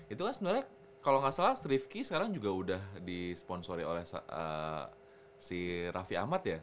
itu kan sebenarnya kalau gak salah riffky sekarang juga udah di sponsori oleh si raffi ahmad ya